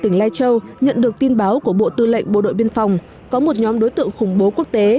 tỉnh lai châu nhận được tin báo của bộ tư lệnh bộ đội biên phòng có một nhóm đối tượng khủng bố quốc tế